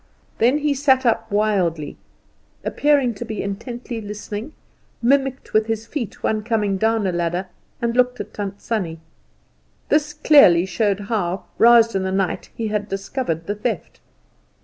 Then he sat up wildly, appearing to be intently listening, mimicked with his feet the coming down a ladder, and looked at Tant Sannie. This clearly showed how, roused in the night, he had discovered the theft.